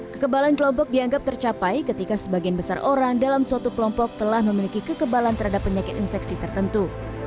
kekebalan kelompok dianggap tercapai ketika sebagian besar orang dalam suatu kelompok telah memiliki kekebalan terhadap penyakit infeksi tertentu